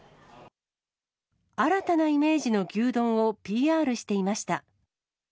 新たなイメージの牛丼をＰＲしていました。